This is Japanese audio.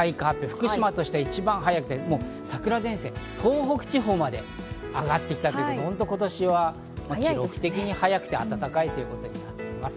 福島として一番早く、桜前線、東北地方まで上がってきたというところで、今年は記録的に早くて暖かいということになっています。